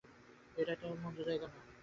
এটোয়া তো মন্দ জায়গা নয়।